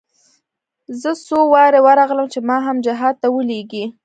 زه څو وارې ورغلم چې ما هم جهاد ته ولېږي.